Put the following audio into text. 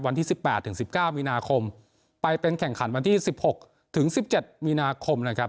วันที่สิบแปดถึงสิบเก้ามีนาคมไปเป็นแข่งขันวันที่สิบหกถึงสิบเจ็ดมีนาคมนะครับ